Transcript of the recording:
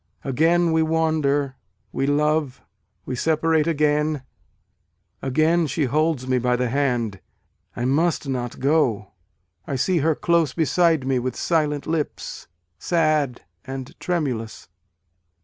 Again we wander, we love, we separate again, A DAY WITH WALT WHITMAN. Again she holds me by the hand, I must not go, I see her close beside me with silent lips sad and tremulous.